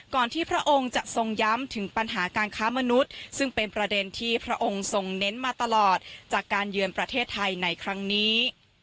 ที่พระองค์จะทรงย้ำถึงปัญหาการค้ามนุษย์ซึ่งเป็นประเด็นที่พระองค์ทรงเน้นมาตลอดจากการเยือนประเทศไทยในครั้งนี้